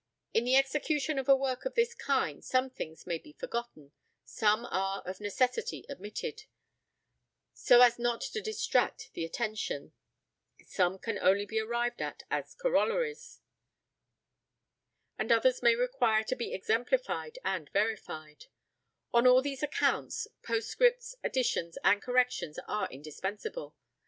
In the execution of a work of this kind some things may be forgotten, some are of necessity omitted, so as not to distract the attention, some can only be arrived at as corollaries, and others may require to be exemplified and verified: on all these accounts, postscripts, additions and corrections are indispensable.